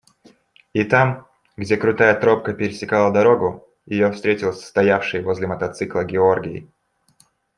И там, где крутая тропка пересекала дорогу, ее встретил стоявший возле мотоцикла Георгий.